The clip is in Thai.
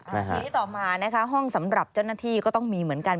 ทีนี้ต่อมานะคะห้องสำหรับเจ้าหน้าที่ก็ต้องมีเหมือนกัน